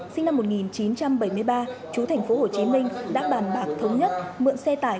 sinh năm một nghìn chín trăm bảy mươi ba chú thành phố hồ chí minh đã bàn bạc thống nhất mượn xe tải